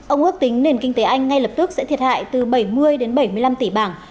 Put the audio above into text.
ông ước tính nền kinh tế anh ngay lập tức sẽ thiệt hại từ bảy mươi đến bảy mươi năm tỷ bảng